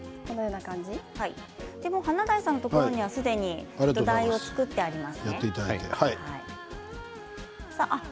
華大さんのところにはすでに土台を作っています。